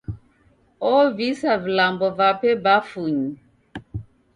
Ovisa vilambo vape bafunyi.